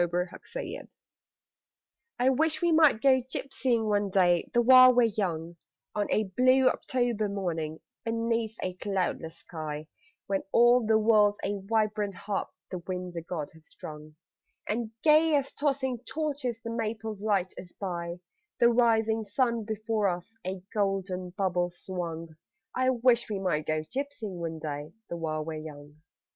THE GYPSYING I wish we might go gypsying one day the while we're young On a blue October morning Beneath a cloudless sky, When all the world's a vibrant harp The winds o' God have strung, And gay as tossing torches the maples light us by; The rising sun before us a golden bubble swung I wish we might go gypsying one day the while we're young.